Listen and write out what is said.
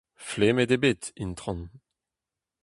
Flemmet eo bet, itron.